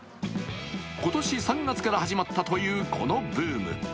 今年３月から始まったというこのブーム。